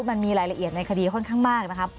มันมีรายละเอียดในคดีค่อนข้างมากนะครับ